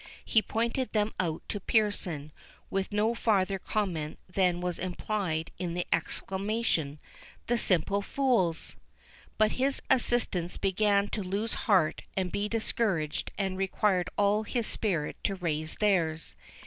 He pointed them out to Pearson, with no farther comment than was implied in the exclamation, "The simple fools!" But his assistants began to lose heart and be discouraged, and required all his spirit to raise theirs.